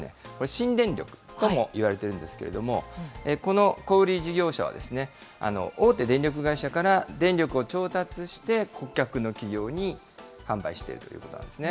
新電力ともいわれてるんですけれども、この小売り事業者は、大手電力会社から電力を調達して、顧客の企業に販売しているということなんですね。